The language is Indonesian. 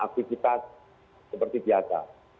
aktifitas seperti biasa